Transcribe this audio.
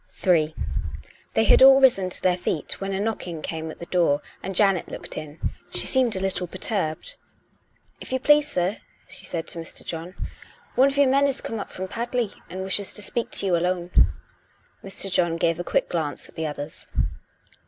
S68 COME RACK! COME ROPE! Ill They had all risen to their feet when a knocking came on the door, and Janet looked in. She seemed a little per turbed. " If you please, sir/' she said to Mr. John, " one of your men is come up from Padley; and wishes to speak to you alone." Mr. John gave a quick glance at the others.